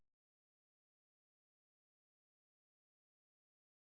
สุดท้าย